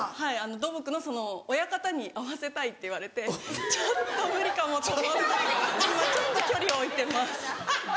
「土木の親方に会わせたい」って言われてちょっと無理かもと思って今ちょっと距離を置いてます。